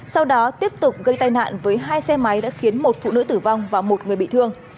sau đó tiếp tục gây tai nạn với hai xe máy đã khiến một phụ nữ tử vong và một người bị thương